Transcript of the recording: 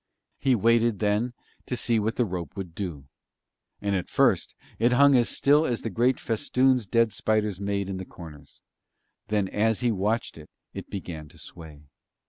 He waited then to see what the rope would do; and at first it hung as still as the great festoons dead spiders had made in the corners; then as he watched it it began to sway.